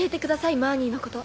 マーニーのこと。